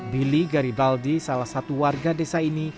billy garibaldi salah satu warga desa ini